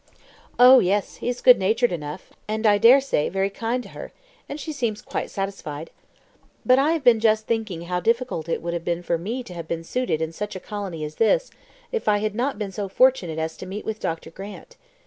"Oh, yes, he is good natured enough, and I dare say, very kind to her, and she seems quite satisfied. But I have been just thinking how difficult it would have been for me to have been suited in such a colony as this if I had not been so fortunate as to meet with Dr. Grant.